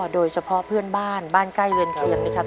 โดยเฉพาะเพื่อนบ้านบ้านใกล้เรือนเคียงนะครับ